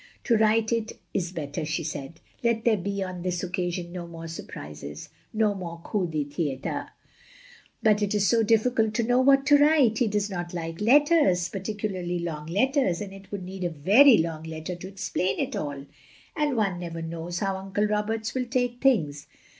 "To write it is better," she said. "Let there be, on this occasion, no more surprises, no more coups de th^dtre.*' "But it is so difficult to know what to write. He does not like letters, particularly long letters; and it would need a very long letter to explain it all," said Jeanne. "And one never knows how Uncle Roberts will take things.